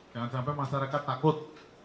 jangan sampai masyarakat takut